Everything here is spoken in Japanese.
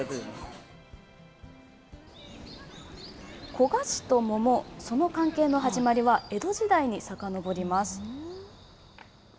古河市と桃、その関係の始まりは、江戸時代にさかのぼります。